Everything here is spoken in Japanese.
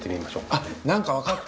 あっ何か分かった！